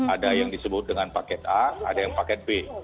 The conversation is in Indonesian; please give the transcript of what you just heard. ada yang disebut dengan paket a ada yang paket b